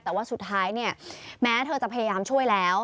แต่ว่าสุดท้ายเนี่ยแม้เธอจะพยายามช่วยแล้ว